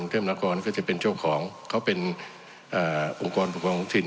เทพนครก็จะเป็นเจ้าของเขาเป็นองค์กรปกครองท้องถิ่น